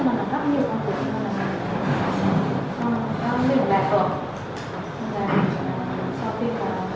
nên là không biết là đạt được